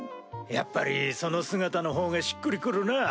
やっぱりその姿のほうがしっくり来るなぁ。